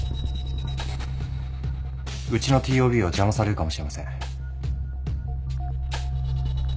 うちのＴＯＢを邪魔されるかもしれません。